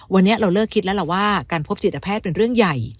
วันนี้เราเลิกคิดแล้วล่ะว่าการพบจิตแพทย์เป็นเรื่องใหญ่